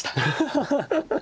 ハハハハ。